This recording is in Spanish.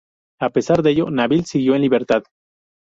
A pesar de ello, Nabil siguió en libertad.